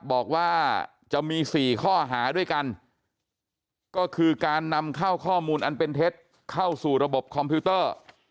บอกว่าจะมี๔ข้อหาด้วยกันก็คือการนำเข้าข้อมูลอันเป็นเท็จเข้าสู่ระบบคอมพิวเตอร์